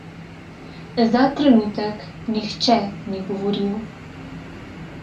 Za trenutek nihče ni govoril.